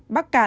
bắc cạn một